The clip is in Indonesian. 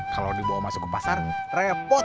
kalau dibawa masuk ke pasar repot